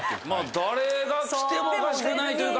誰が来てもおかしくないというか。